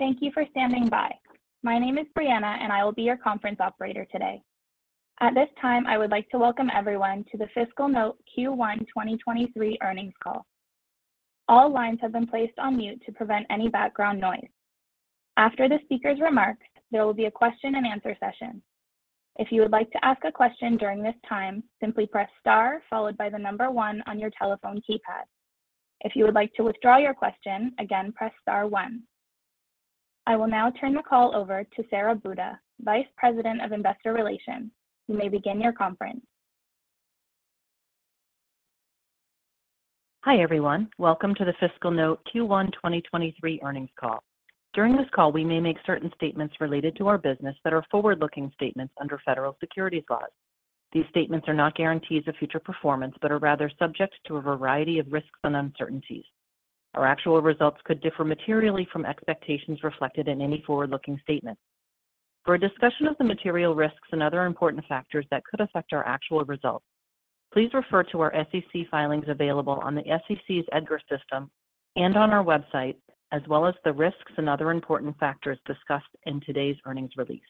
Thank you for standing by. My name is Brianna, I will be your conference operator today. At this time, I would like to welcome everyone to the FiscalNote Q1 2023 earnings call. All lines have been placed on mute to prevent any background noise. After the speaker's remarks, there will be a question-and-answer session. If you would like to ask a question during this time, simply press star followed by the number one on your telephone keypad. If you would like to withdraw your question, again, press star one. I will now turn the call over to Sara Buda, Vice President of Investor Relations. You may begin your conference. Hi, everyone. Welcome to the FiscalNote Q1 2023 earnings call. During this call, we may make certain statements related to our business that are forward-looking statements under federal securities laws. These statements are not guarantees of future performance, but are rather subject to a variety of risks and uncertainties. Our actual results could differ materially from expectations reflected in any forward-looking statement. For a discussion of the material risks and other important factors that could affect our actual results, please refer to our SEC filings available on the SEC's EDGAR system and on our website, as well as the risks and other important factors discussed in today's earnings release.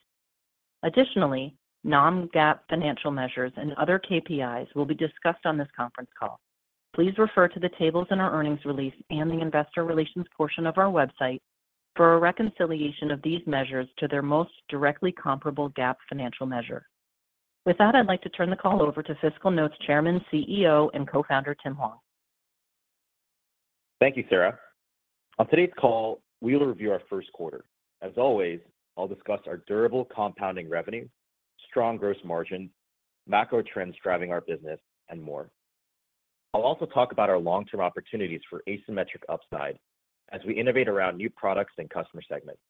Additionally, non-GAAP financial measures and other KPIs will be discussed on this conference call. Please refer to the tables in our earnings release and the investor relations portion of our website for a reconciliation of these measures to their most directly comparable GAAP financial measure. With that, I'd like to turn the call over to FiscalNote's Chairman, CEO, and Co-founder, Tim Hwang. Thank you, Sara. On today's call, we will review our first quarter. As always, I'll discuss our durable compounding revenue, strong gross margin, macro trends driving our business, and more. I'll also talk about our long-term opportunities for asymmetric upside as we innovate around new products and customer segments.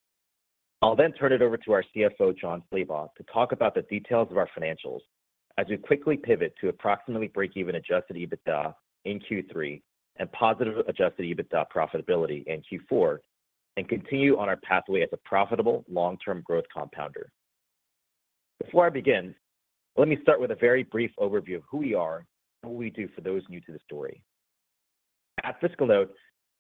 I'll then turn it over to our CFO, Jon Slabaugh, to talk about the details of our financials as we quickly pivot to approximately break-even Adjusted EBITDA in Q3 and positive Adjusted EBITDA profitability in Q4 and continue on our pathway as a profitable long-term growth compounder. Before I begin, let me start with a very brief overview of who we are and what we do for those new to the story. At FiscalNote,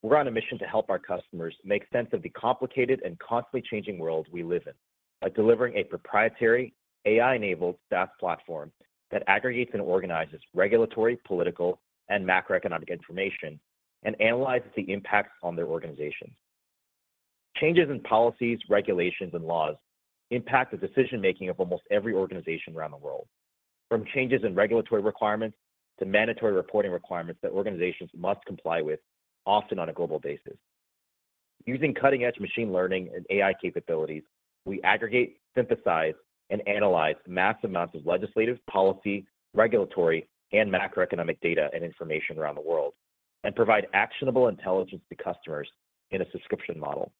we're on a mission to help our customers make sense of the complicated and constantly changing world we live in by delivering a proprietary AI-enabled SaaS platform that aggregates and organizes regulatory, political, and macroeconomic information and analyzes the impact on their organization. Changes in policies, regulations, and laws impact the decision-making of almost every organization around the world, from changes in regulatory requirements to mandatory reporting requirements that organizations must comply with, often on a global basis. Using cutting-edge machine learning and AI capabilities, we aggregate, synthesize, and analyze mass amounts of legislative, policy, regulatory, and macroeconomic data and information around the world and provide actionable intelligence to customers in a subscription model.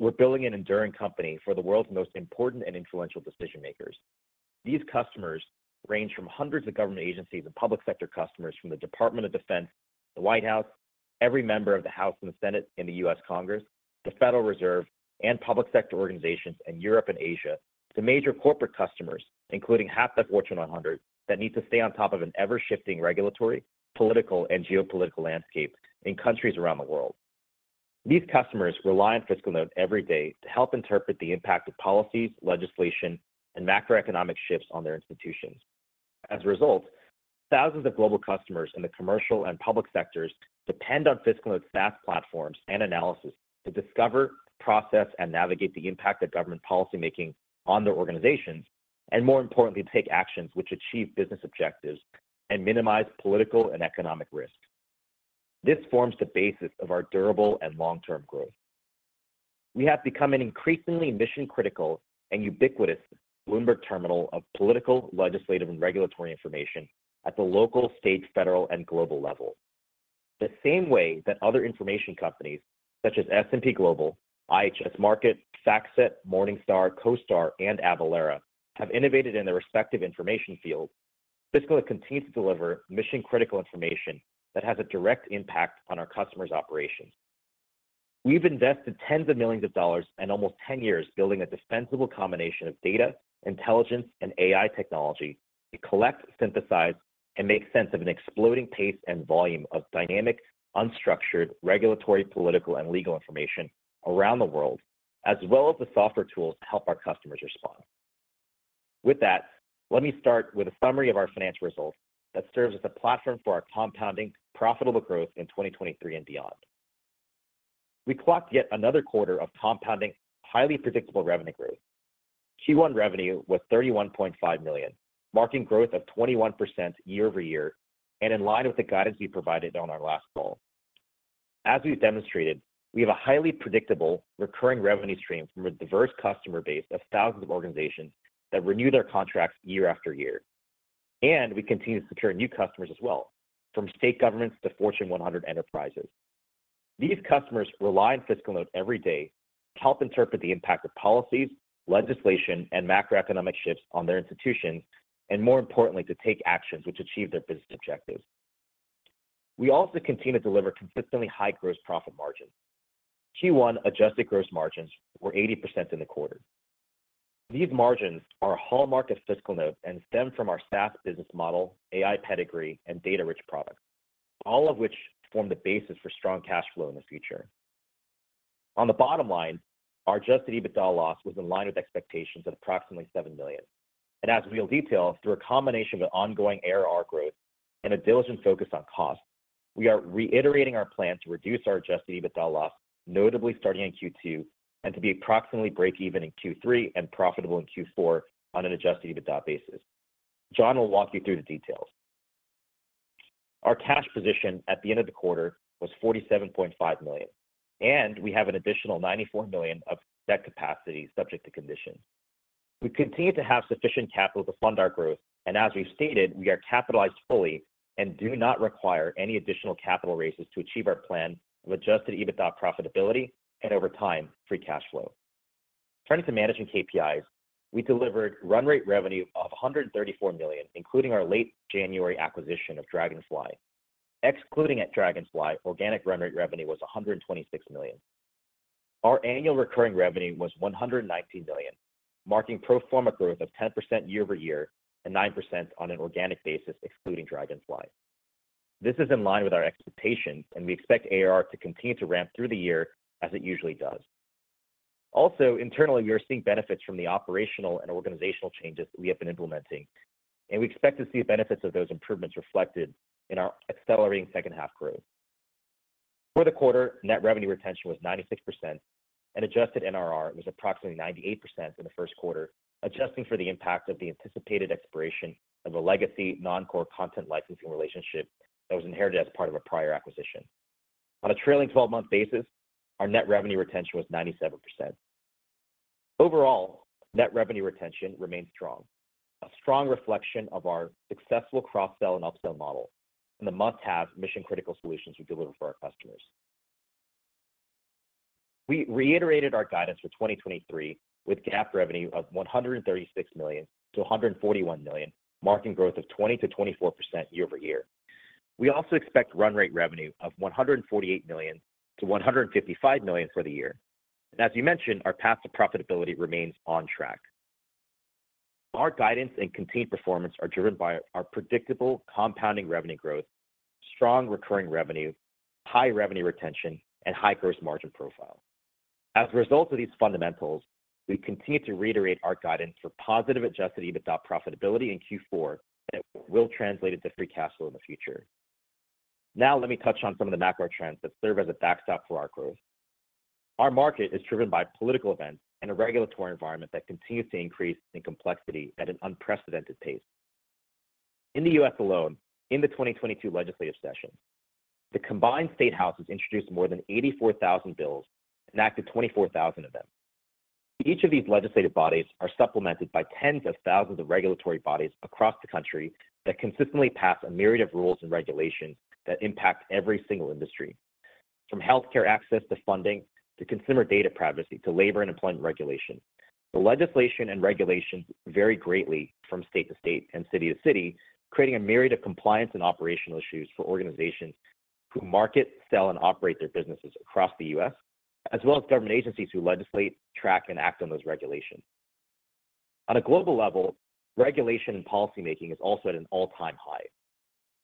We're building an enduring company for the world's most important and influential decision-makers. These customers range from hundreds of government agencies and public sector customers from the Department of Defense, the White House, every member of the House and the Senate in the US Congress, the Federal Reserve, and public sector organizations in Europe and Asia, to major corporate customers, including half the Fortune 100, that need to stay on top of an ever-shifting regulatory, political, and geopolitical landscape in countries around the world. These customers rely on FiscalNote every day to help interpret the impact of policies, legislation, and macroeconomic shifts on their institutions. As a result, thousands of global customers in the commercial and public sectors depend on FiscalNote's SaaS platforms and analysis to discover, process, and navigate the impact of government policymaking on their organizations, and more importantly, to take actions which achieve business objectives and minimize political and economic risk. This forms the basis of our durable and long-term growth. We have become an increasingly mission-critical and ubiquitous Bloomberg Terminal of political, legislative, and regulatory information at the local, state, federal, and global level. The same way that other information companies such as S&P Global, IHS Markit, FactSet, Morningstar, CoStar, and Avalara have innovated in their respective information fields, FiscalNote continues to deliver mission-critical information that has a direct impact on our customers' operations. We've invested tens of millions of dollars and almost 10 years building a dispensable combination of data, intelligence, and AI technology to collect, synthesize, and make sense of an exploding pace and volume of dynamic, unstructured, regulatory, political, and legal information around the world, as well as the software tools to help our customers respond. With that, let me start with a summary of our financial results that serves as a platform for our compounding profitable growth in 2023 and beyond. We clocked yet another quarter of compounding, highly predictable revenue growth. Q1 revenue was $31.5 million, marking growth of 21% year-over-year and in line with the guidance we provided on our last call. As we've demonstrated, we have a highly predictable recurring revenue stream from a diverse customer base of thousands of organizations that renew their contracts year after year. We continue to secure new customers as well, from state governments to Fortune 100 enterprises. These customers rely on FiscalNote every day to help interpret the impact of policies, legislation, and macroeconomic shifts on their institutions, and more importantly, to take actions which achieve their business objectives. We also continue to deliver consistently high gross profit margins. Q1 adjusted gross margins were 80% in the quarter. These margins are a hallmark of FiscalNote and stem from our SaaS business model, AI pedigree, and data-rich products, all of which form the basis for strong cash flow in the future. On the bottom line, our Adjusted EBITDA loss was in line with expectations of approximately 7 million. As we'll detail through a combination of ongoing ARR growth and a diligent focus on cost, we are reiterating our plan to reduce our Adjusted EBITDA loss, notably starting in Q2, and to be approximately breakeven in Q3 and profitable in Q4 on an Adjusted EBITDA basis. Jon will walk you through the details. Our cash position at the end of the quarter was 47.5 million, and we have an additional 94 million of debt capacity subject to conditions. We continue to have sufficient capital to fund our growth. As we've stated, we are capitalized fully and do not require any additional capital raises to achieve our plan of Adjusted EBITDA profitability and over time, free cash flow. Turning to managing KPIs, we delivered run rate revenue of 134 million, including our late January acquisition of Dragonfly. Excluding Dragonfly, organic run rate revenue was 126 million. Our annual recurring revenue was 119 million, marking pro forma growth of 10% year-over-year and 9% on an organic basis excluding Dragonfly. This is in line with our expectations. We expect ARR to continue to ramp through the year as it usually does. Also, internally, we are seeing benefits from the operational and organizational changes that we have been implementing, and we expect to see the benefits of those improvements reflected in our accelerating second half growth. For the quarter, net revenue retention was 96% and adjusted NRR was approximately 98% in the first quarter, adjusting for the impact of the anticipated expiration of a legacy non-core content licensing relationship that was inherited as part of a prior acquisition. On a trailing 12-month basis, our net revenue retention was 97%. Overall, net revenue retention remains strong, a strong reflection of our successful cross-sell and upsell model and the must-have mission-critical solutions we deliver for our customers. We reiterated our guidance for 2023 with GAAP revenue of 136 million to 141 million, marking growth of 20%-24% year-over-year. We also expect run rate revenue of 148 million to 155 million for the year. As we mentioned, our path to profitability remains on track. Our guidance and contained performance are driven by our predictable compounding revenue growth, strong recurring revenue, high revenue retention, and high gross margin profile. As a result of these fundamentals, we continue to reiterate our guidance for positive Adjusted EBITDA profitability in Q4. It will translate into free cash flow in the future. Now let me touch on some of the macro trends that serve as a backstop for our growth. Our market is driven by political events and a regulatory environment that continues to increase in complexity at an unprecedented pace. In the U.S. alone, in the 2022 legislative session, the combined state houses introduced more than 84,000 bills, enacted 24,000 of them. Each of these legislative bodies are supplemented by tens of thousands of regulatory bodies across the country that consistently pass a myriad of rules and regulations that impact every single industry. From healthcare access to funding, to consumer data privacy, to labor and employment regulation, the legislation and regulations vary greatly from state to state and city to city, creating a myriad of compliance and operational issues for organizations who market, sell, and operate their businesses across the U.S., as well as government agencies who legislate, track, and act on those regulations. On a global level, regulation and policymaking is also at an all-time high.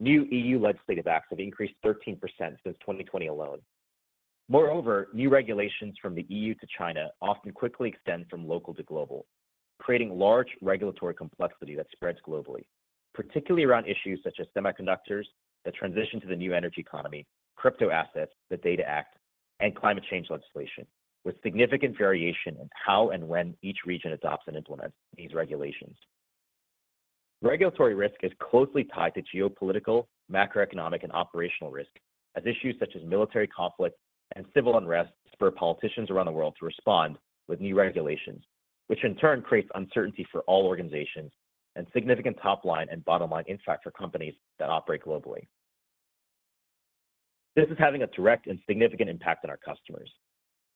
New EU legislative acts have increased 13% since 2020 alone. Moreover, new regulations from the EU to China often quickly extend from local to global, creating large regulatory complexity that spreads globally, particularly around issues such as semiconductors, the transition to the new energy economy, crypto assets, the DATA Act, and climate change legislation, with significant variation in how and when each region adopts and implements these regulations. Regulatory risk is closely tied to geopolitical, macroeconomic, and operational risk as issues such as military conflict and civil unrest spur politicians around the world to respond with new regulations, which in turn creates uncertainty for all organizations and significant top-line and bottom-line impact for companies that operate globally. This is having a direct and significant impact on our customers.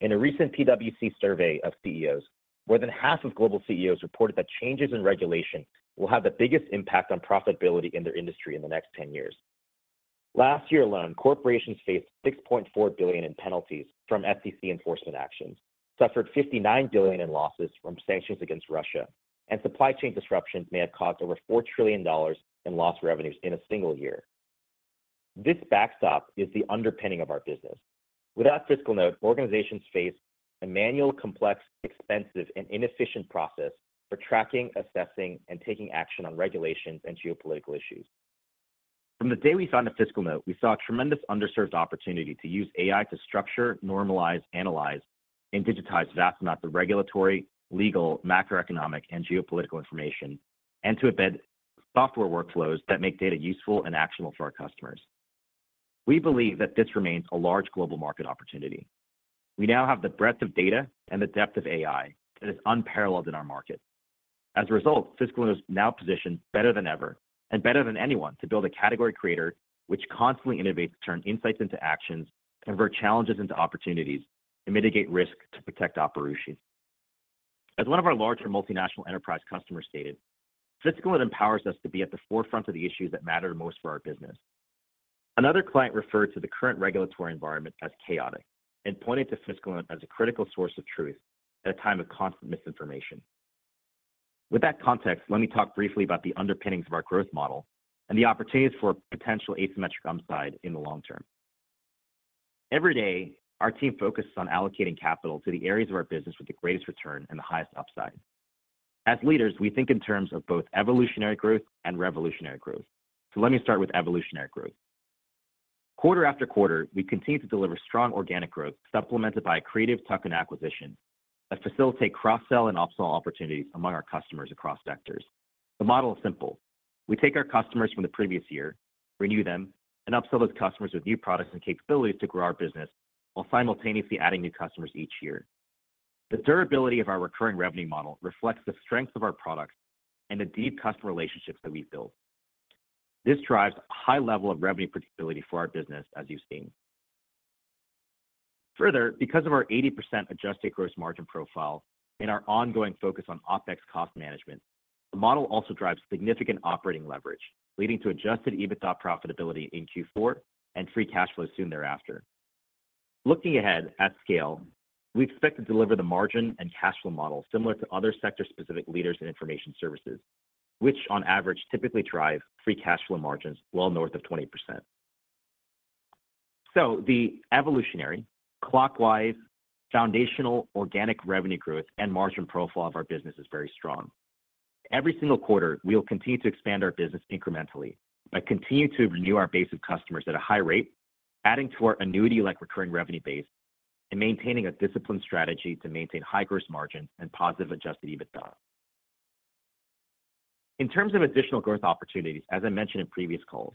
In a recent PwC survey of CEOs, more than half of global CEOs reported that changes in regulation will have the biggest impact on profitability in their industry in the next 10 years. Last year alone, corporations faced 6.4 billion in penalties from SEC enforcement actions, suffered 59 billion in losses from sanctions against Russia, and supply chain disruptions may have caused over $4 trillion in lost revenues in a single year. This backstop is the underpinning of our business. Without FiscalNote, organizations face a manual, complex, expensive, and inefficient process for tracking, assessing, and taking action on regulations and geopolitical issues. From the day we founded FiscalNote, we saw a tremendous underserved opportunity to use AI to structure, normalize, analyze, and digitize vast amounts of regulatory, legal, macroeconomic, and geopolitical information and to embed software workflows that make data useful and actionable for our customers. We believe that this remains a large global market opportunity. We now have the breadth of data and the depth of AI that is unparalleled in our market. As a result, FiscalNote is now positioned better than ever and better than anyone to build a category creator which constantly innovates to turn insights into actions, convert challenges into opportunities, and mitigate risk to protect operations. As one of our larger multinational enterprise customers stated, "FiscalNote empowers us to be at the forefront of the issues that matter most for our business." Another client referred to the current regulatory environment as chaotic and pointed to FiscalNote as a critical source of truth at a time of constant misinformation. With that context, let me talk briefly about the underpinnings of our growth model and the opportunities for potential asymmetric upside in the long term. Every day, our team focuses on allocating capital to the areas of our business with the greatest return and the highest upside. As leaders, we think in terms of both evolutionary growth and revolutionary growth. Let me start with evolutionary growth. Quarter after quarter, we continue to deliver strong organic growth supplemented by creative tuck-in acquisitions that facilitate cross-sell and upsell opportunities among our customers across sectors. The model is simple. We take our customers from the previous year, renew them, and upsell those customers with new products and capabilities to grow our business while simultaneously adding new customers each year. The durability of our recurring revenue model reflects the strength of our products and the deep customer relationships that we've built. This drives a high level of revenue predictability for our business, as you've seen. Because of our 80% adjusted gross margin profile and our ongoing focus on OpEx cost management, the model also drives significant operating leverage, leading to adjusted EBITDA profitability in Q4 and free cash flow soon thereafter. Looking ahead at scale, we expect to deliver the margin and cash flow model similar to other sector-specific leaders in information services, which on average typically drive free cash flow margins well north of 20%. The evolutionary clockwise foundational organic revenue growth and margin profile of our business is very strong. Every single quarter, we will continue to expand our business incrementally by continuing to renew our base of customers at a high rate, adding to our annuity-like recurring revenue base, and maintaining a disciplined strategy to maintain high gross margins and positive adjusted EBITDA. In terms of additional growth opportunities, as I mentioned in previous calls,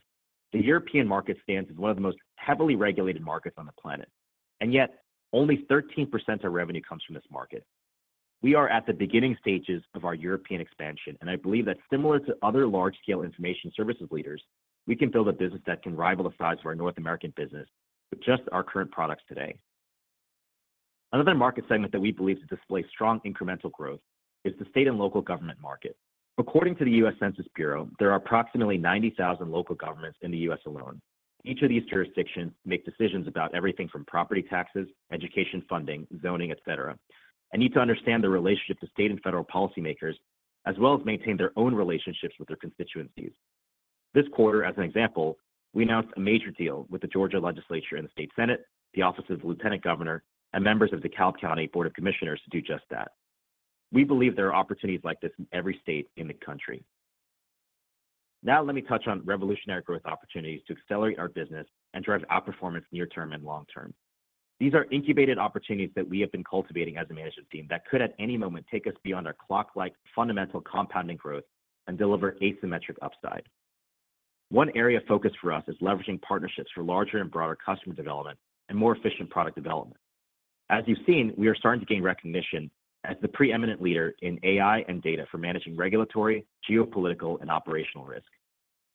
the European market stands as one of the most heavily regulated markets on the planet. Yet only 13% of revenue comes from this market. We are at the beginning stages of our European expansion. I believe that similar to other large-scale information services leaders, we can build a business that can rival the size of our North American business with just our current products today. Another market segment that we believe to display strong incremental growth is the state and local government market. According to the U.S. Census Bureau, there are approximately 90,000 local governments in the U.S. alone. Each of these jurisdictions make decisions about everything from property taxes, education funding, zoning, et cetera, and need to understand the relationship to state and federal policymakers, as well as maintain their own relationships with their constituencies. This quarter, as an example, we announced a major deal with the Georgia Legislature and the State Senate, the offices of the lieutenant governor, and members of DeKalb County Board of Commissioners to do just that. We believe there are opportunities like this in every state in the country. Let me touch on revolutionary growth opportunities to accelerate our business and drive outperformance near term and long term. These are incubated opportunities that we have been cultivating as a management team that could at any moment take us beyond our clock-like fundamental compounding growth and deliver asymmetric upside. One area of focus for us is leveraging partnerships for larger and broader customer development and more efficient product development. As you've seen, we are starting to gain recognition as the preeminent leader in AI and data for managing regulatory, geopolitical, and operational risk.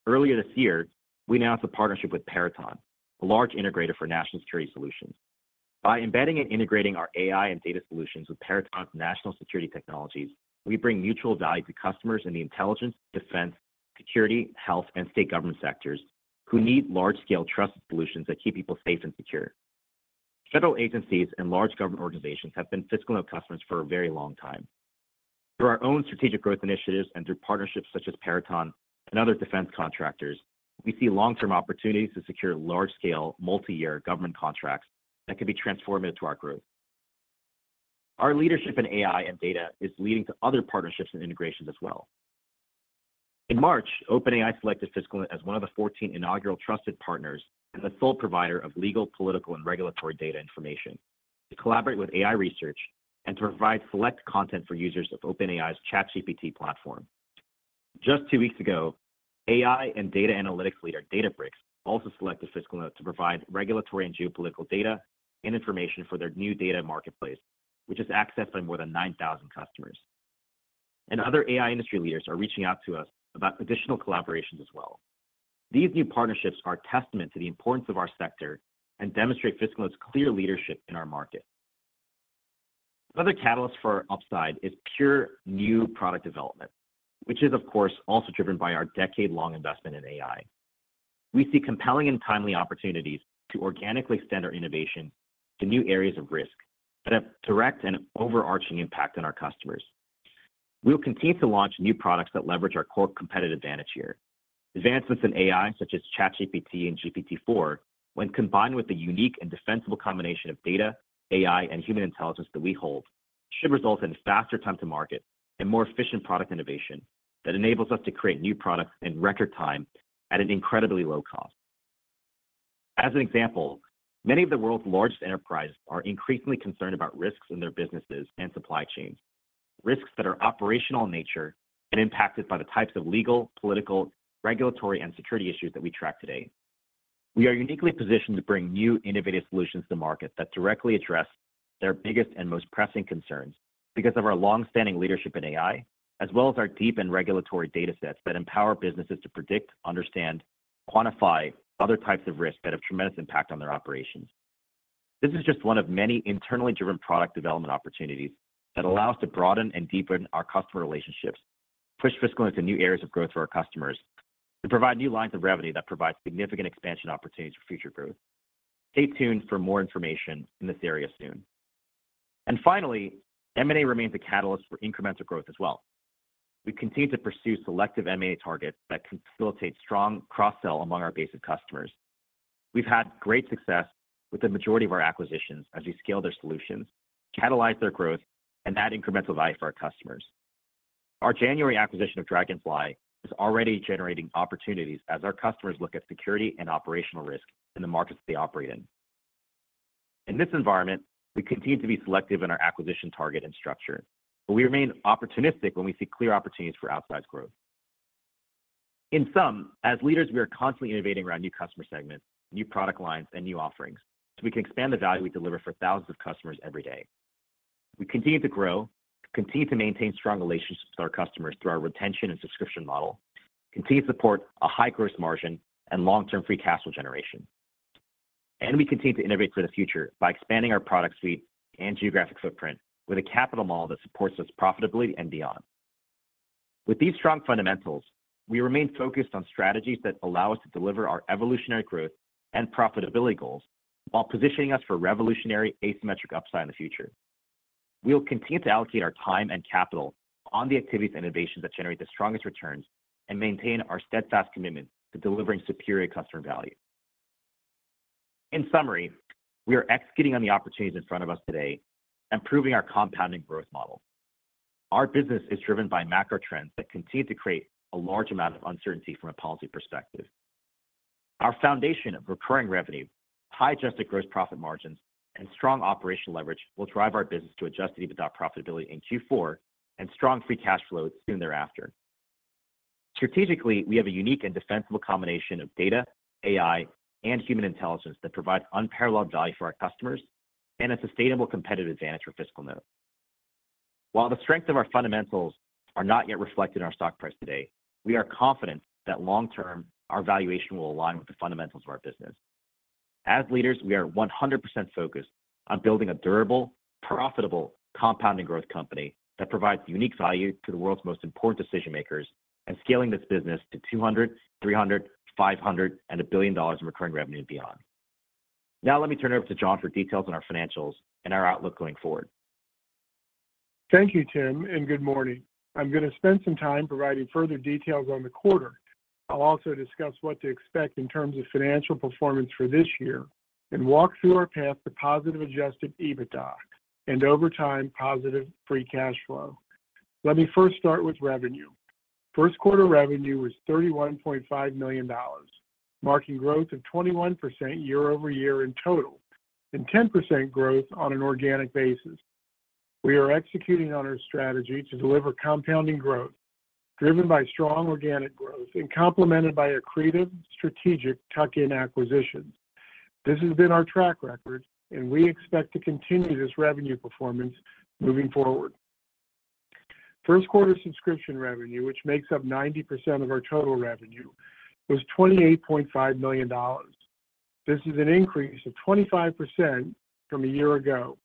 Earlier this year, we announced a partnership with Peraton, a large integrator for national security solutions. By embedding and integrating our AI and data solutions with Peraton's national security technologies, we bring mutual value to customers in the intelligence, defense, security, health, and state government sectors who need large-scale trusted solutions that keep people safe and secure. Federal agencies and large government organizations have been FiscalNote customers for a very long time. Through our own strategic growth initiatives and through partnerships such as Peraton and other defense contractors, we see long-term opportunities to secure large-scale, multi-year government contracts that could be transformative to our growth. Our leadership in AI and data is leading to other partnerships and integrations as well. In March, OpenAI selected FiscalNote as one of the 14 inaugural trusted partners as a sole provider of legal, political, and regulatory data information to collaborate with AI research and to provide select content for users of OpenAI's ChatGPT platform. Just two weeks ago, AI and data analytics leader Databricks also selected FiscalNote to provide regulatory and geopolitical data and information for their new data marketplace, which is accessed by more than 9,000 customers. Other AI industry leaders are reaching out to us about additional collaborations as well. These new partnerships are testament to the importance of our sector and demonstrate FiscalNote's clear leadership in our market. Another catalyst for upside is pure new product development, which is of course also driven by our decade-long investment in AI. We see compelling and timely opportunities to organically extend our innovation to new areas of risk that have direct and overarching impact on our customers. We will continue to launch new products that leverage our core competitive advantage here. Advancements in AI, such as ChatGPT and GPT-4, when combined with the unique and defensible combination of data, AI, and human intelligence that we hold, should result in faster time to market and more efficient product innovation that enables us to create new products in record time at an incredibly low cost. As an example, many of the world's largest enterprises are increasingly concerned about risks in their businesses and supply chains, risks that are operational in nature and impacted by the types of legal, political, regulatory, and security issues that we track today. We are uniquely positioned to bring new, innovative solutions to market that directly address their biggest and most pressing concerns because of our long-standing leadership in AI, as well as our deep and regulatory data sets that empower businesses to predict, understand, quantify other types of risk that have tremendous impact on their operations. This is just one of many internally driven product development opportunities that allow us to broaden and deepen our customer relationships, push FiscalNote to new areas of growth for our customers, and provide new lines of revenue that provides significant expansion opportunities for future growth. Stay tuned for more information in this area soon. Finally, M&A remains a catalyst for incremental growth as well. We continue to pursue selective M&A targets that can facilitate strong cross-sell among our base of customers. We've had great success with the majority of our acquisitions as we scale their solutions, catalyze their growth, and add incremental value for our customers. Our January acquisition of Dragonfly is already generating opportunities as our customers look at security and operational risk in the markets they operate in. In this environment, we continue to be selective in our acquisition target and structure, but we remain opportunistic when we see clear opportunities for outsized growth. In sum, as leaders, we are constantly innovating around new customer segments, new product lines, and new offerings, so we can expand the value we deliver for thousands of customers every day. We continue to grow, continue to maintain strong relationships with our customers through our retention and subscription model, continue to support a high gross margin and long-term free cash flow generation. We continue to innovate for the future by expanding our product suite and geographic footprint with a capital model that supports us profitably and beyond. With these strong fundamentals, we remain focused on strategies that allow us to deliver our evolutionary growth and profitability goals while positioning us for revolutionary asymmetric upside in the future. We will continue to allocate our time and capital on the activities and innovations that generate the strongest returns and maintain our steadfast commitment to delivering superior customer value. In summary, we are executing on the opportunities in front of us today and proving our compounding growth model. Our business is driven by macro trends that continue to create a large amount of uncertainty from a policy perspective. Our foundation of recurring revenue, high Adjusted gross profit margins, and strong operational leverage will drive our business to Adjusted EBITDA profitability in Q4 and strong free cash flow soon thereafter. Strategically, we have a unique and defensible combination of data, AI, and human intelligence that provides unparalleled value for our customers and a sustainable competitive advantage for FiscalNote. While the strength of our fundamentals are not yet reflected in our stock price today, we are confident that long term, our valuation will align with the fundamentals of our business. As leaders, we are 100% focused on building a durable, profitable, compounding growth company that provides unique value to the world's most important decision-makers and scaling this business to $200 million, $300 million, $500 million, and $1 billion in recurring revenue and beyond. Now let me turn it over to Jon for details on our financials and our outlook going forward. Thank you, Tim, and good morning. I'm going to spend some time providing further details on the quarter. I'll also discuss what to expect in terms of financial performance for this year and walk through our path to positive Adjusted EBITDA and, over time, positive free cash flow. Let me first start with revenue. First quarter revenue was $31.5 million, marking growth of 21% year-over-year in total and 10% growth on an organic basis. We are executing on our strategy to deliver compounding growth driven by strong organic growth and complemented by accretive strategic tuck-in acquisitions. This has been our track record, and we expect to continue this revenue performance moving forward. First quarter subscription revenue, which makes up 90% of our total revenue, was $28.5 million. This is an increase of 25% from a year ago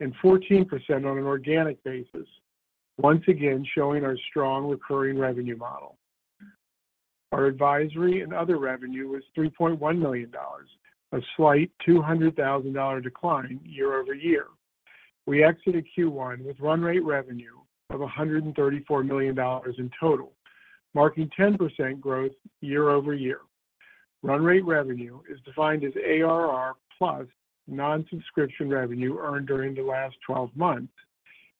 and 14% on an organic basis, once again showing our strong recurring revenue model. Our advisory and other revenue was $3.1 million, a slight $200,000 decline year-over-year. We exited Q1 with run rate revenue of $134 million in total, marking 10% growth year-over-year. Run rate revenue is defined as ARR plus non-subscription revenue earned during the last 12 months.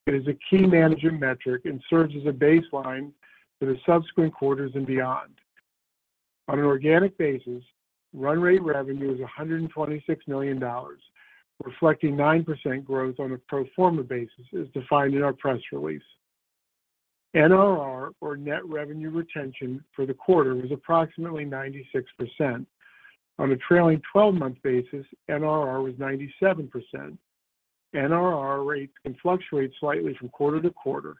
It is a key management metric and serves as a baseline for the subsequent quarters and beyond. On an organic basis, run rate revenue is $126 million, reflecting 9% growth on a pro forma basis as defined in our press release. NRR, or net revenue retention, for the quarter was approximately 96%. On a trailing 12-month basis, NRR was 97%. NRR rates can fluctuate slightly from quarter to quarter.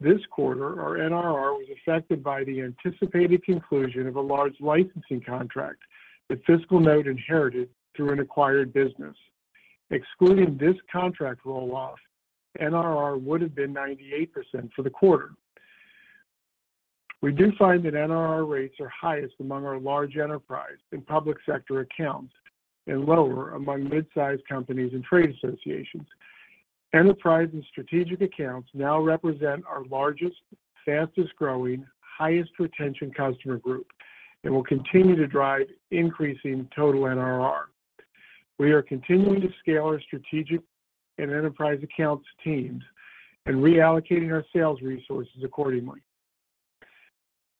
This quarter, our NRR was affected by the anticipated conclusion of a large licensing contract that FiscalNote inherited through an acquired business. Excluding this contract roll-off, NRR would have been 98% for the quarter. We do find that NRR rates are highest among our large enterprise in public sector accounts and lower among mid-sized companies and trade associations. Enterprise and strategic accounts now represent our largest, fastest-growing, highest retention customer group and will continue to drive increasing total NRR. We are continuing to scale our strategic and enterprise accounts teams and reallocating our sales resources accordingly.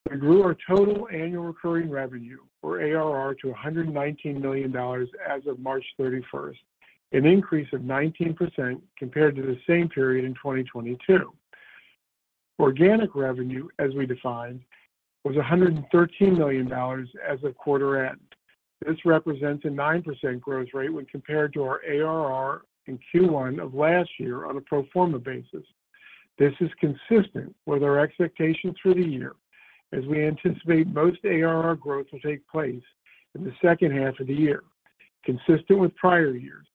We grew our total annual recurring revenue, or ARR, to $119 million as of March 31st, an increase of 19% compared to the same period in 2022. Organic revenue, as we defined, was $113 million as of quarter end. This represents a 9% growth rate when compared to our ARR in Q1 of last year on a pro forma basis. This is consistent with our expectations for the year as we anticipate most ARR growth will take place in the second half of the year, consistent with prior years.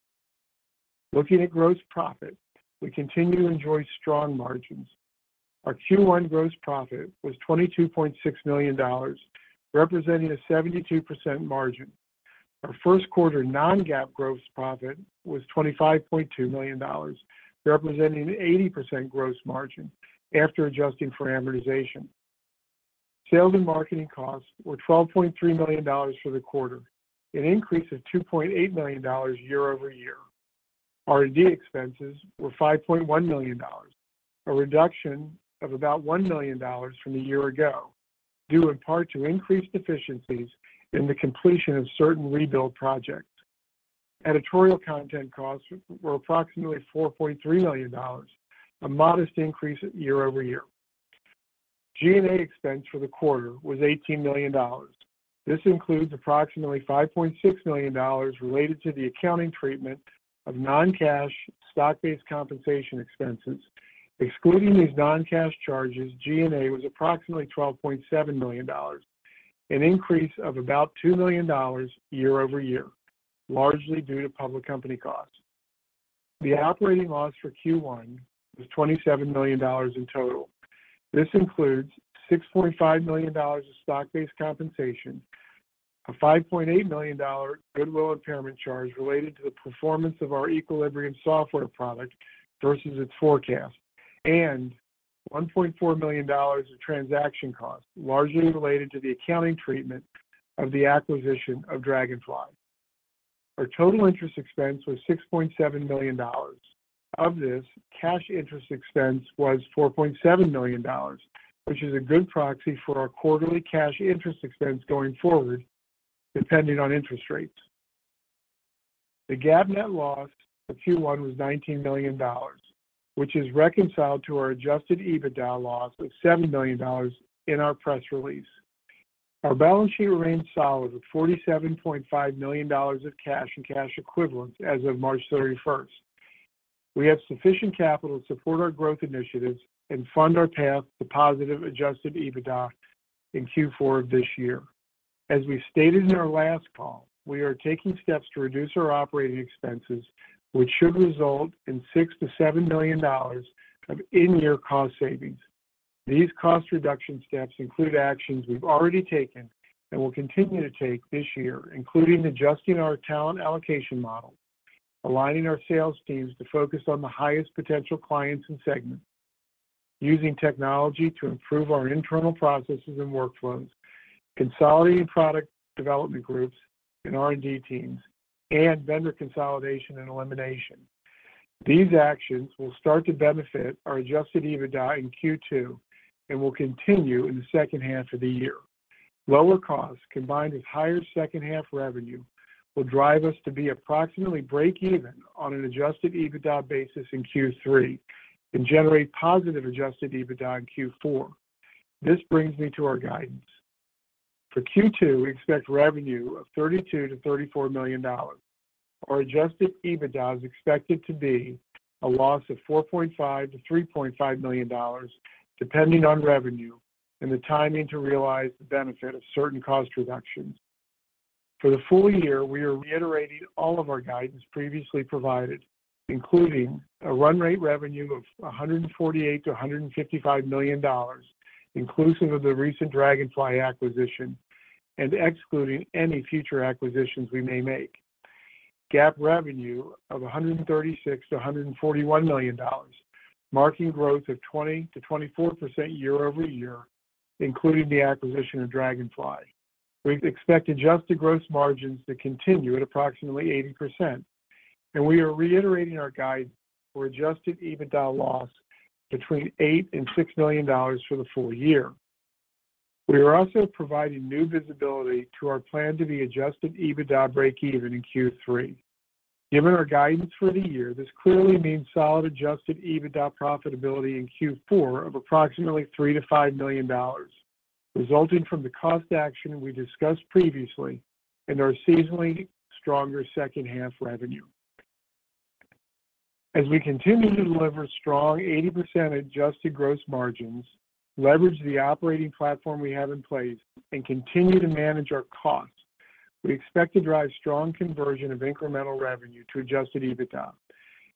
Looking at gross profit, we continue to enjoy strong margins. Our Q1 gross profit was $22.6 million, representing a 72% margin. Our first quarter non-GAAP gross profit was $25.2 million, representing 80% gross margin after adjusting for amortization. Sales and marketing costs were $12.3 million for the quarter, an increase of $2.8 million year-over-year. R&D expenses were $5.1 million, a reduction of about $1 million from a year ago, due in part to increased efficiencies in the completion of certain rebuild projects. Editorial content costs were approximately $4.3 million, a modest increase year-over-year. G&A expense for the quarter was $18 million. This includes approximately $5.6 million related to the accounting treatment of non-cash stock-based compensation expenses. Excluding these non-cash charges, G&A was approximately $12.7 million, an increase of about $2 million year-over-year, largely due to public company costs. The operating loss for Q1 was $27 million in total. This includes $6.5 million of stock-based compensation, a $5.8 million goodwill impairment charge related to the performance of our Equilibrium software product versus its forecast, and $1.4 million of transaction costs, largely related to the accounting treatment of the acquisition of Dragonfly. Our total interest expense was $6.7 million. Of this, cash interest expense was $4.7 million, which is a good proxy for our quarterly cash interest expense going forward, depending on interest rates. The GAAP net loss for Q1 was $19 million, which is reconciled to our Adjusted EBITDA loss of $7 million in our press release. Our balance sheet remains solid with $47.5 million of cash and cash equivalents as of March 31st. We have sufficient capital to support our growth initiatives and fund our path to positive Adjusted EBITDA in Q4 of this year. As we stated in our last call, we are taking steps to reduce our operating expenses, which should result in $6 million-$7 million of in-year cost savings. These cost reduction steps include actions we've already taken and will continue to take this year, including adjusting our talent allocation model, aligning our sales teams to focus on the highest potential clients and segments, using technology to improve our internal processes and workflows, consolidating product development groups and R&D teams, and vendor consolidation and elimination. These actions will start to benefit our Adjusted EBITDA in Q2 and will continue in the second half of the year. Lower costs combined with higher second half revenue will drive us to be approximately break even on an Adjusted EBITDA basis in Q3 and generate positive Adjusted EBITDA in Q4. This brings me to our guidance. For Q2, we expect revenue of $32 million-$34 million. Our Adjusted EBITDA is expected to be a loss of $4.5 million-$3.5 million, depending on revenue and the timing to realize the benefit of certain cost reductions. For the full year, we are reiterating all of our guidance previously provided, including a run rate revenue of $148 million-$155 million, inclusive of the recent Dragonfly acquisition and excluding any future acquisitions we may make. GAAP revenue of $136 million-$141 million, marking growth of 20%-24% year-over-year, including the acquisition of Dragonfly. We expect adjusted gross margins to continue at approximately 80%. We are reiterating our guide for Adjusted EBITDA loss between $8 million and $6 million for the full year. We are also providing new visibility to our plan to be Adjusted EBITDA break even in Q3. Given our guidance for the year, this clearly means solid Adjusted EBITDA profitability in Q4 of approximately $3 million-$5 million, resulting from the cost action we discussed previously and our seasonally stronger second half revenue. As we continue to deliver strong 80% adjusted gross margins, leverage the operating platform we have in place, continue to manage our costs, we expect to drive strong conversion of incremental revenue to Adjusted EBITDA.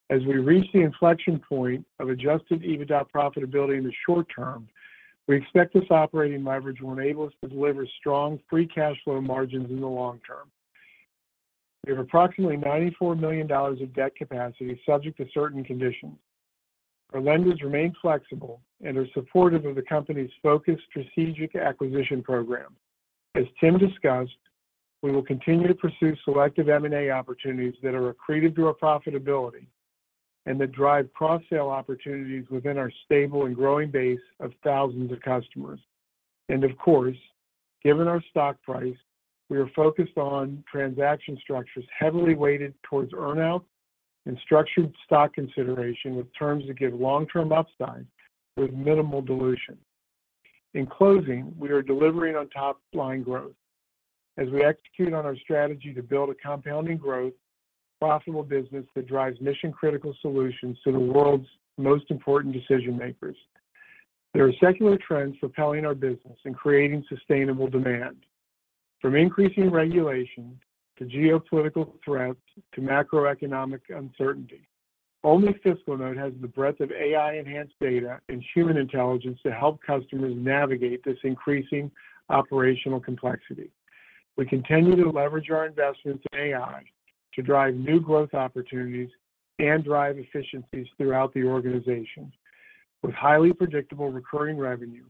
As we reach the inflection point of Adjusted EBITDA profitability in the short term, we expect this operating leverage will enable us to deliver strong free cash flow margins in the long term. We have approximately $94 million of debt capacity subject to certain conditions. Our lenders remain flexible and are supportive of the company's focused strategic acquisition program. As Tim discussed, we will continue to pursue selective M&A opportunities that are accretive to our profitability and that drive cross-sale opportunities within our stable and growing base of thousands of customers. Of course, given our stock price, we are focused on transaction structures heavily weighted towards earn-out and structured stock consideration with terms that give long-term upside with minimal dilution. In closing, we are delivering on top-line growth as we execute on our strategy to build a compounding growth, profitable business that drives mission-critical solutions to the world's most important decision-makers. There are secular trends propelling our business and creating sustainable demand. From increasing regulation to geopolitical threats to macroeconomic uncertainty. Only FiscalNote has the breadth of AI-enhanced data and human intelligence to help customers navigate this increasing operational complexity. We continue to leverage our investments in AI to drive new growth opportunities and drive efficiencies throughout the organization. With highly predictable recurring revenue,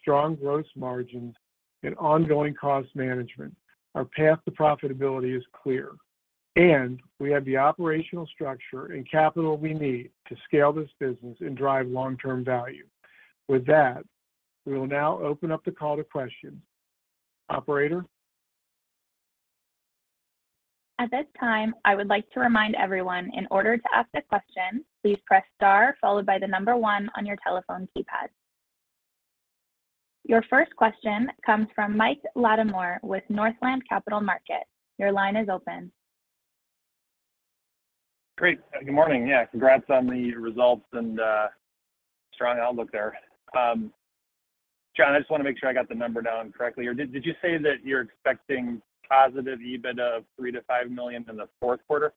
strong gross margins, and ongoing cost management, our path to profitability is clear. We have the operational structure and capital we need to scale this business and drive long-term value. With that, we will now open up the call to questions. Operator? At this time, I would like to remind everyone in order to ask a question, please press star followed by the number 1 on your telephone keypad. Your first question comes from Mike Latimore with Northland Capital Markets. Your line is open. Great. Good morning. Yeah, congrats on the results and strong outlook there. Jon, I just want to make sure I got the number down correctly. Did you say that you're expecting positive EBIT of 3 million-5 million in the fourth quarter?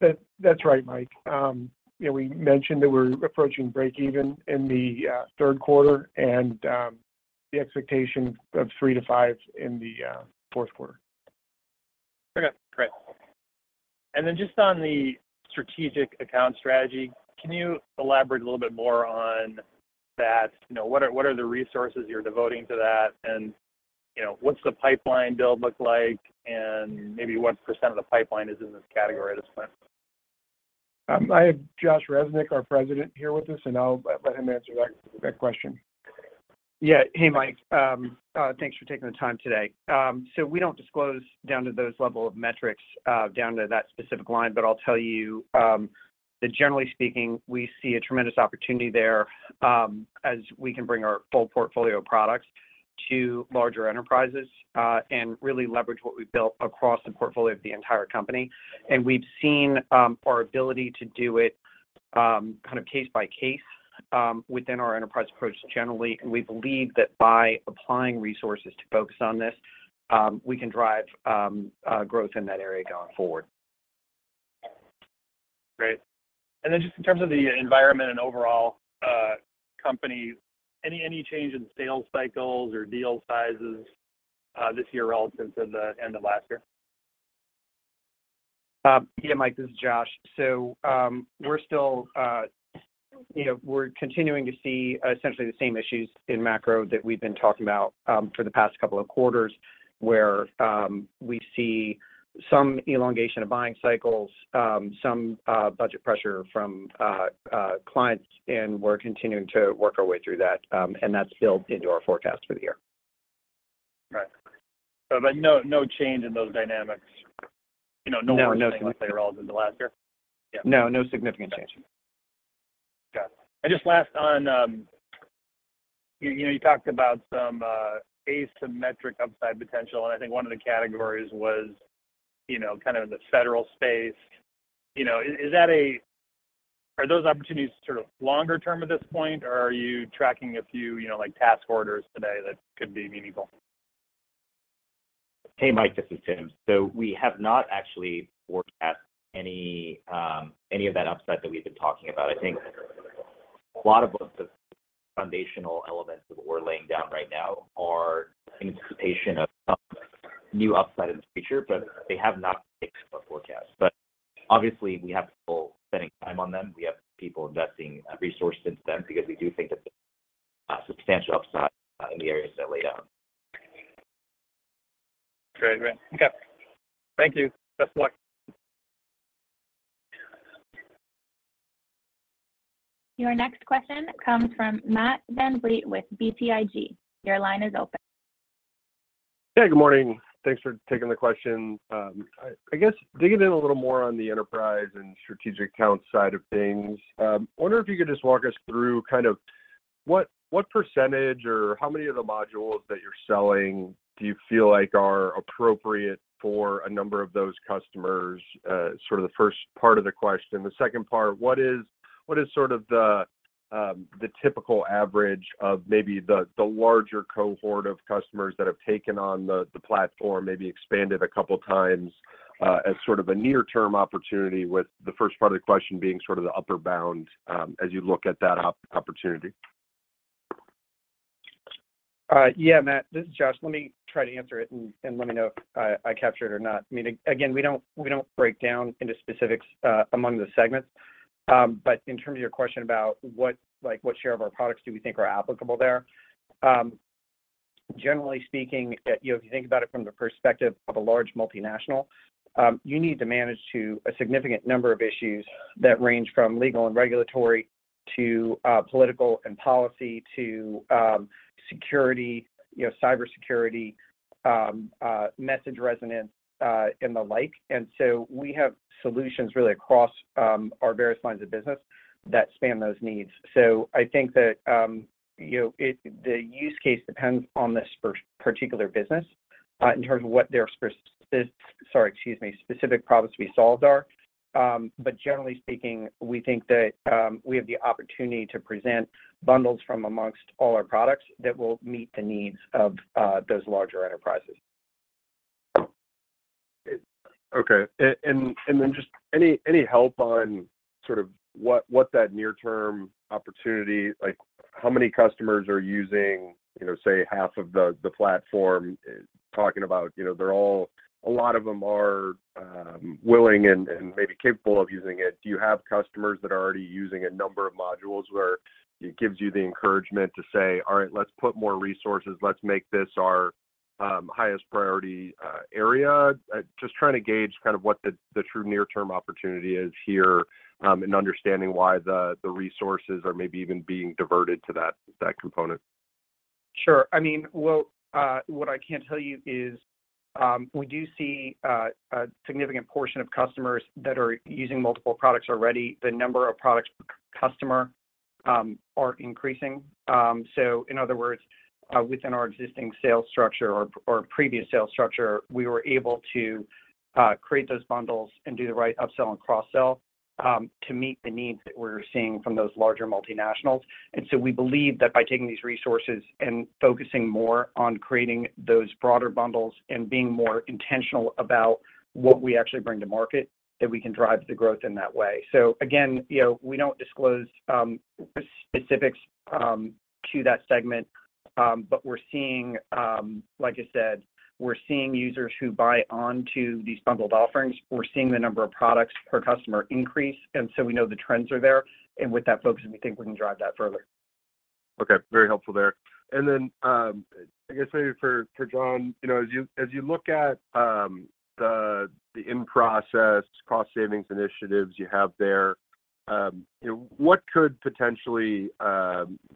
That's right, Mike, you know, we mentioned that we're approaching break even in the third quarter and the expectation of 3 million-5 million in the fourth quarter. Okay, great. Then just on the strategic account strategy, can you elaborate a little bit more on that? You know, what are the resources you're devoting to that? You know, what's the pipeline build look like? Maybe what % of the pipeline is in this category at this point? I have Josh Resnick, our President, here with us, and I'll let him answer that question. Yeah. Hey, Mike. Thanks for taking the time today. We don't disclose down to those level of metrics, down to that specific line, but I'll tell you, that generally speaking, we see a tremendous opportunity there, as we can bring our full portfolio of products to larger enterprises, and really leverage what we've built across the portfolio of the entire company. We've seen, our ability to do it, kind of case by case, within our enterprise approach generally. We believe that by applying resources to focus on this, we can drive, growth in that area going forward. Great. Then just in terms of the environment and overall, company, any change in sales cycles or deal sizes, this year relative to the end of last year? Yeah, Mike Latimore, this is Josh Resnick. We're still, you know, we're continuing to see essentially the same issues in macro that we've been talking about for the past couple of quarters, where we see some elongation of buying cycles, some budget pressure from clients, and we're continuing to work our way through that. That's built into our forecast for the year. Right. No change in those dynamics? You know. No, no... relative to last year? Yeah. No, no significant change. Got it. Just last on, you know, you talked about some asymmetric upside potential, and I think one of the categories was, you know, kind of in the Federal space. You know, are those opportunities sort of longer term at this point, or are you tracking a few, you know, like, task orders today that could be meaningful? Hey, Mike, this is Tim. We have not actually worked at any of that upside that we've been talking about. I think a lot of the foundational elements that we're laying down right now are in anticipation of some new upside in the future, they have not fixed our forecast. Obviously, we have people spending time on them. We have people investing resources into them because we do think that there's substantial upside in the areas that laid out. Great. Great. Okay. Thank you. Best of luck. Your next question comes from Matt VanVliet with BTIG. Your line is open. Hey, good morning. Thanks for taking the question. I guess digging in a little more on the enterprise and strategic accounts side of things, I wonder if you could just walk us through kind of what percentage or how many of the modules that you're selling do you feel like are appropriate for a number of those customers? Sort of the first part of the question. The second part, what is sort of the typical average of maybe the larger cohort of customers that have taken on the platform, maybe expanded a couple times, as sort of a near-term opportunity with the first part of the question being sort of the upper bound, as you look at that opportunity? Yeah, Matt, this is Josh. Let me try to answer it and let me know if I captured it or not. I mean, again, we don't break down into specifics among the segments. In terms of your question about what, like what share of our products do we think are applicable there, generally speaking, you know, if you think about it from the perspective of a large multinational, you need to manage to a significant number of issues that range from legal and regulatory to political and policy to security, you know, cybersecurity, message resonance, and the like. So we have solutions really across our various lines of business that span those needs. I think that, you know, the use case depends on this for particular business. In terms of what their specific problems to be solved are. Generally speaking, we think that we have the opportunity to present bundles from amongst all our products that will meet the needs of those larger enterprises. Okay. Then just any help on sort of what that near term opportunity? Like how many customers are using, you know, say, half of the platform? Talking about, you know, a lot of them are willing and maybe capable of using it. Do you have customers that are already using a number of modules where it gives you the encouragement to say, "All right. Let's put more resources. Let's make this our highest priority area." Just trying to gauge kind of what the true near term opportunity is here in understanding why the resources are maybe even being diverted to that component. Sure. I mean, well, what I can tell you is, we do see a significant portion of customers that are using multiple products already. The number of products per customer are increasing. In other words, within our existing sales structure or previous sales structure, we were able to create those bundles and do the right upsell and cross-sell to meet the needs that we're seeing from those larger multinationals. We believe that by taking these resources and focusing more on creating those broader bundles and being more intentional about what we actually bring to market, that we can drive the growth in that way. Again, you know, we don't disclose specifics to that segment. We're seeing, like I said, we're seeing users who buy onto these bundled offerings. We're seeing the number of products per customer increase, so we know the trends are there. With that focus, we think we can drive that further. Okay. Very helpful there. I guess maybe for Jon, you know, as you, as you look at, the in-process cost savings initiatives you have there, what could potentially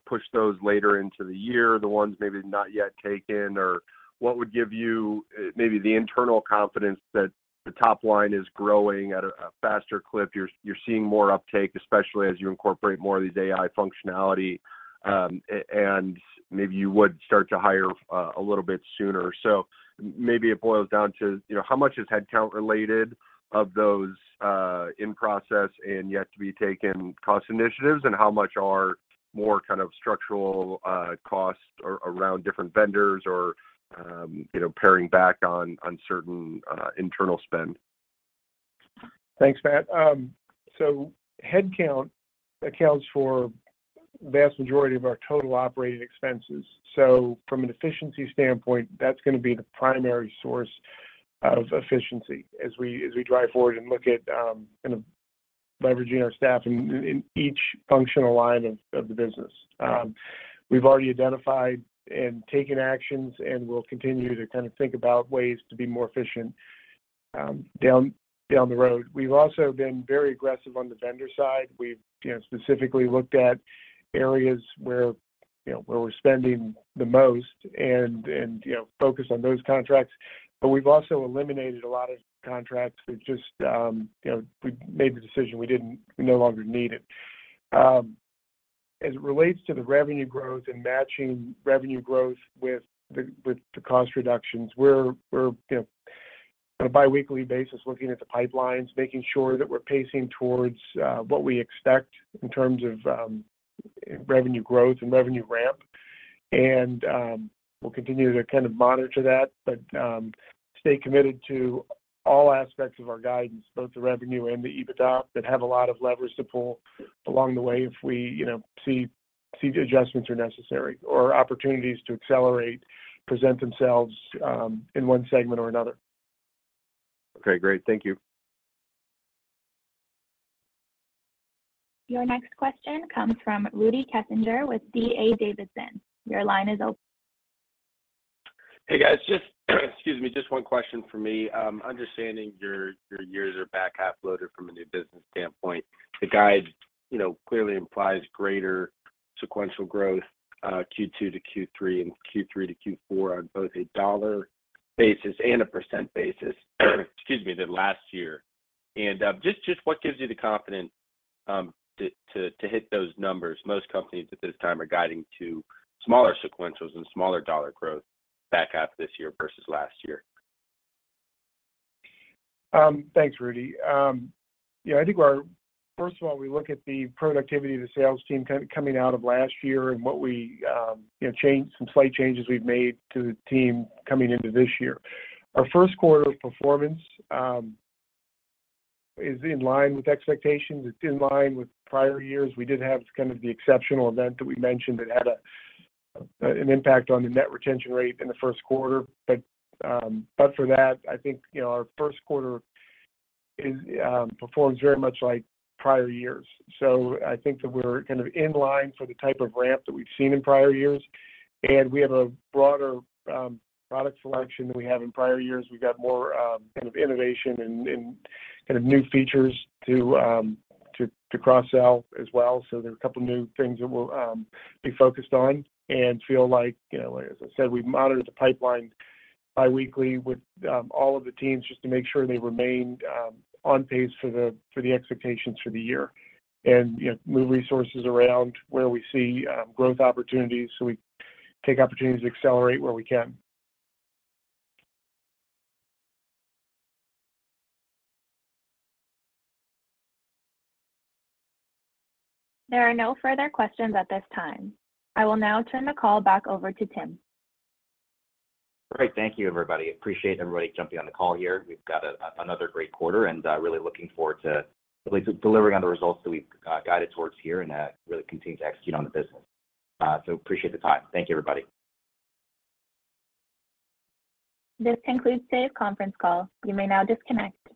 push those later into the year, the ones maybe not yet taken? What would give you maybe the internal confidence that the top line is growing at a faster clip, you're seeing more uptake, especially as you incorporate more of these AI functionality, and maybe you would start to hire a little bit sooner? Maybe it boils down to, you know, how much is headcount related of those in-process and yet to be taken cost initiatives, and how much are more kind of structural costs around different vendors or, you know, paring back on certain internal spend? Thanks, Matt. Headcount accounts for vast majority of our total operating expenses. From an efficiency standpoint, that's gonna be the primary source of efficiency as we drive forward and look at, you know, leveraging our staff in each functional line of the business. We've already identified and taken actions, and we'll continue to kind of think about ways to be more efficient down the road. We've also been very aggressive on the vendor side. We've, you know, specifically looked at areas where, you know, we're spending the most and, you know, focused on those contracts. We've also eliminated a lot of contracts. We've just, you know, we made the decision we no longer need it. As it relates to the revenue growth and matching revenue growth with the cost reductions, we're, you know, on a biweekly basis looking at the pipelines, making sure that we're pacing towards what we expect in terms of revenue growth and revenue ramp. We'll continue to kind of monitor that, but stay committed to all aspects of our guidance, both the revenue and the EBITDA, that have a lot of levers to pull along the way if we, you know, see the adjustments are necessary or opportunities to accelerate present themselves in one segment or another. Okay. Great. Thank you. Your next question comes from Rudy Kessinger with D.A. Davidson. Your line is. Hey, guys. Excuse me. Just 1 question from me. Understanding your years are back half loaded from a new business standpoint, the guide, you know, clearly implies greater sequential growth, Q2 to Q3 and Q3 to Q4 on both a dollar basis and a % basis, excuse me, than last year. Just what gives you the confidence to hit those numbers? Most companies at this time are guiding to smaller sequentials and smaller dollar growth back half this year versus last year. Thanks, Rudy. You know, I think first of all, we look at the productivity of the sales team coming out of last year and what we, you know, some slight changes we've made to the team coming into this year. Our first quarter of performance is in line with expectations. It's in line with prior years. We did have kind of the exceptional event that we mentioned that had a, an impact on the net retention rate in the first quarter. But for that, I think, you know, our first quarter is, performs very much like prior years. I think that we're kind of in line for the type of ramp that we've seen in prior years, and we have a broader, product selection than we have in prior years. We've got more kind of innovation and kind of new features to cross-sell as well. There's a couple of new things that we'll be focused on and feel like, you know, as I said, we monitor the pipeline biweekly with all of the teams just to make sure they remained on pace for the, for the expectations for the year. You know, move resources around where we see growth opportunities, so we take opportunities to accelerate where we can. There are no further questions at this time. I will now turn the call back over to Tim. Great. Thank you, everybody. Appreciate everybody jumping on the call here. We've got another great quarter, and really looking forward to really delivering on the results that we've guided towards here and really continue to execute on the business. Appreciate the time. Thank you, everybody. This concludes today's conference call. You may now disconnect.